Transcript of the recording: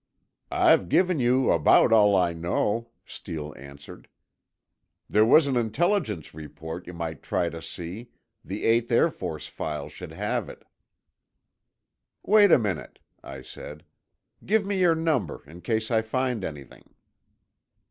"I've given you about all I know," Steele answered. "There was an Intelligence report you might try to see—the Eighth Air Force files should have it." "Wait a minute," I said. "Give me your number, in case I find anything."